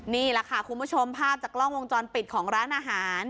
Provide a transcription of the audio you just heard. นี่แหละค่ะคุณผู้ชมภาพจากกล้องวงจรปิดของร้านอาหาร